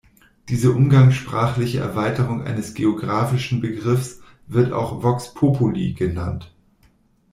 Diese umgangssprachliche Erweiterung eines geographischen Begriffs wird auch „vox populi“ genannt.